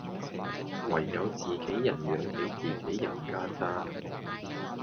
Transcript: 唯有自己人養起自己人架咋